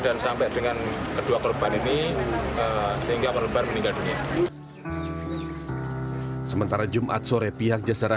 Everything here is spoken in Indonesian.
dan sampai dengan kedua korban ini sehingga korban meninggal dunia sementara jumat sore pihak jasara